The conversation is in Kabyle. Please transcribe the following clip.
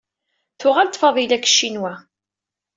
Tuɣal-d Faḍila seg Ccinwa.